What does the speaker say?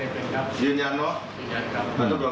เป็นตำรวจไหมทำจริงเป็นตำรวจไหม